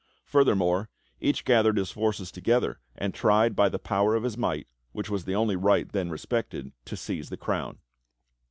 Furthermore, each gathered his forces together and tried by the power of his might, which was the only right then respected, to seize the crown.